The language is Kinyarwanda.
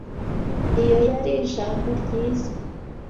Iyo yari ijambo ryiza.